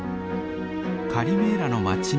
カリメーラの街に到着。